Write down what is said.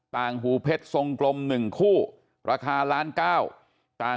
ต่างหูเพชรทรงกลม๑คู่ราคา๑๙๐๐๐๐๐